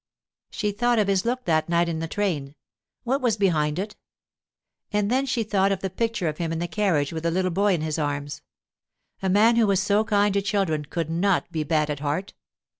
She thought of his look that night in the train. What was behind it? And then she thought of the picture of him in the carriage with the little boy in his arms. A man who was so kind to children could not be bad at heart.